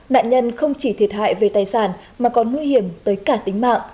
nạn nhân không chỉ thiệt hại về tài sản mà còn nguy hiểm tới cả tính mạng